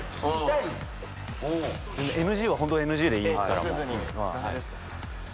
ＮＧはホントＮＧでいいから。